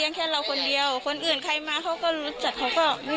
ก็ยิ่งกับเจ้ามาเลี้ยงอยู่เลยเองในวิทยาลังค์นี้